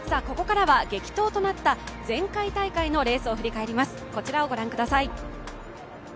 ここからは激闘となった前回大会のレースを振り返ります。